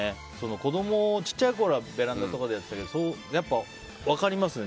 子供が小さいころはベランダとかでやってたけどやっぱ、分かりますね。